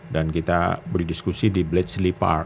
dan kita berdiskusi di bletchley park